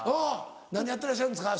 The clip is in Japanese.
「何やってらっしゃるんですか？